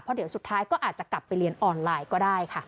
เพราะเดี๋ยวสุดท้ายก็อาจจะกลับไปเรียนออนไลน์ก็ได้ค่ะ